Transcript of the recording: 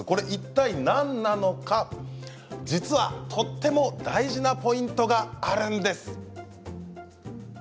いったい何なのか実は、とても大事なポイントがあるんです。